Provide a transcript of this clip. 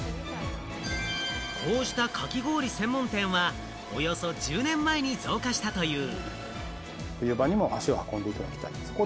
こうした、かき氷専門店は、およそ１０年前に増加したという。